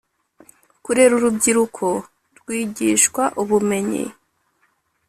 Kurera urubyiruko rwigishwa ubumenyi